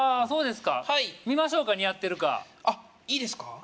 そうですかはい見ましょうか似合ってるかあっいいですか？